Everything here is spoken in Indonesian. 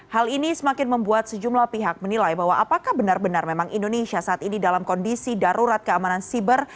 hal ini semakin membuat sejumlah pihak menilai bahwa apakah benar benar memang indonesia saat ini dalam kondisi darurat keamanan siber